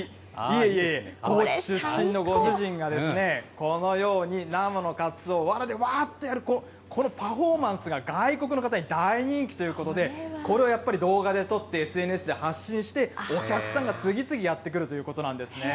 いえいえ、高知出身のご主人が、このように生のカツオをわらでわーっとやる、このパフォーマンスが外国の方に大人気ということで、これをやっぱり動画で撮ってＳＮＳで発信して、お客さんが次々やって来るということなんですね。